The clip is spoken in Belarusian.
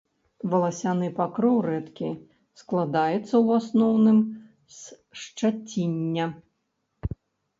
Валасяны покрыў рэдкі, складаецца ў асноўным з шчаціння.